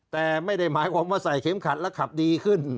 แต่ไม่ได้หมายความว่าใส่เข็มขัดแล้วขับดีขึ้น